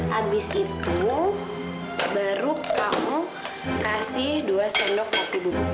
habis itu baru kamu kasih dua sendok kopi bubuknya